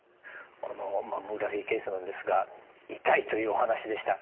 このマンモグラフィー検査なんですが痛いというお話でした。